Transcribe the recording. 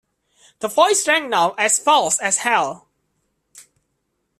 The voice rang now as false as hell.